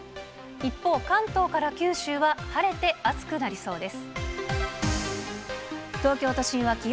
一方、関東から九州は晴れて、暑くなりそうです。